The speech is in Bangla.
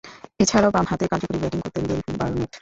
এছাড়াও, বামহাতে কার্যকরী ব্যাটিং করতেন বেন বার্নেট।